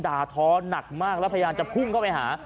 ด่าท้อหนักมากแล้วพยายามจะพุ่งเข้าไปหา